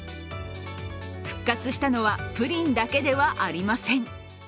復活したのはプリンだけではありません。